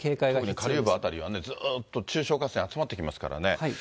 特に下流部辺りは、ずーっと中小河川集まってきますからね。